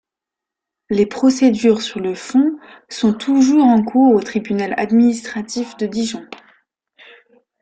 Les procédures sur le fond sont toujours en cours au tribunal administratif de Dijon.